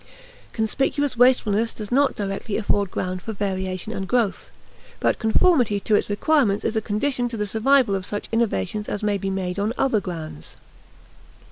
Conspicuous wastefulness does not directly afford ground for variation and growth, but conformity to its requirements is a condition to the survival of such innovations as may be made on other grounds.